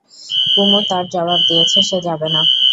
কুমু তার জবাব দিয়েছে, সে যাবে না।